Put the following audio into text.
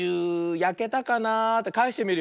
やけたかな。